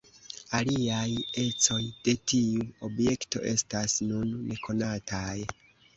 Aliaj ecoj de tiu objekto restas nun nekonataj.